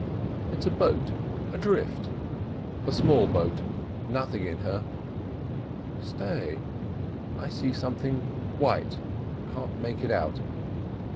"It's a boat adrift—a small boat, nothing in her. Stay! I see something white, can't make it out.